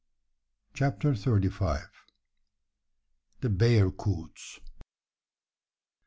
CHAPTER THIRTY FIVE. THE BEARCOOTS.